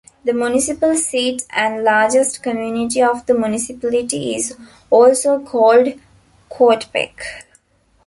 The municipal seat and largest community of the municipality is also called Coatepec.